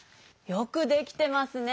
よくできてますね。